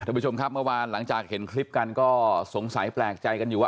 ท่านผู้ชมครับเมื่อวานหลังจากเห็นคลิปกันก็สงสัยแปลกใจกันอยู่ว่า